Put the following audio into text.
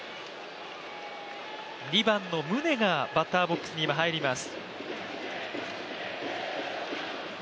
２番の宗がバッターボックスに入ります。